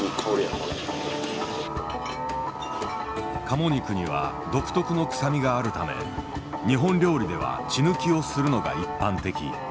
カモ肉には独特の臭みがあるため日本料理では血抜きをするのが一般的。